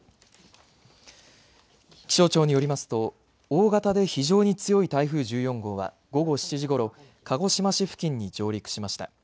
気象庁によりますと大型で非常に強い台風１４号は午後７時ごろ鹿児島市付近に上陸しました。